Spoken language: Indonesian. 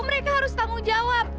mereka harus tanggung jawab